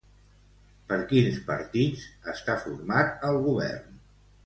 Per quins partits està format el govern?